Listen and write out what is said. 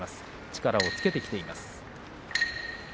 力をつけてきています。